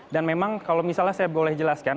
dan memang kalau misalnya saya boleh jelaskan